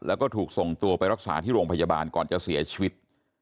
แล้วก็ถูกส่งตัวไปรักษาที่โรงพยาบาลก่อนจะเสียชีวิต